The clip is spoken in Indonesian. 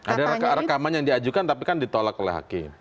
ada rekaman yang diajukan tapi kan ditolak oleh hakim